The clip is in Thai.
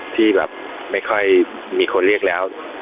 ที่แบบไม่ค่อยมีคนเรียกแล้ว